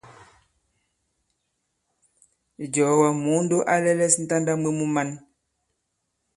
Ìjɔ̀ɔ̀wa, Mùundo a lɛ̄lɛ̄s ǹtanda mwe mu man.